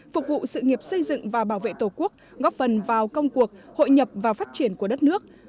phục vụ sự nghiệp xây dựng và bảo vệ tổ quốc góp phần vào công cuộc hội nhập và phát triển của đất nước